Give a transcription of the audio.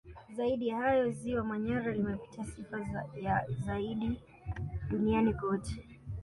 Zaidi ya hayo Ziwa Manyara limepata sifa ya ziada duniani kote